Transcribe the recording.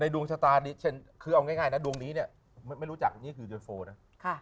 ในดวงชะตาคือเอาง่ายนะดวงนี้เนี่ยไม่รู้จักนี่คือโดยโฟล์นะ